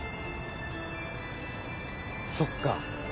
そっか。